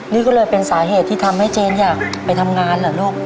นี่ก็เลยเป็นสาเหตุที่ทำให้เจนอยากไปทำงานเหรอลูก